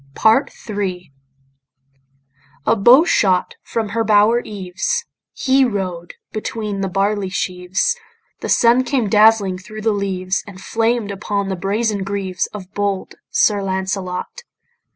PART III A bow shot from her bower eaves, He rode between the barley sheaves, The sun came dazzling thro' the leaves, And flamed upon the brazen greaves Of bold Sir Lancelot.